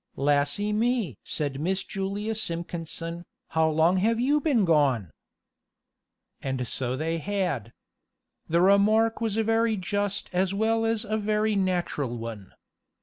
"Lassy me!" said Miss Julia Simpkinson, "how long you have been gone!" And so they had. The remark was a very just as well as a very natural one.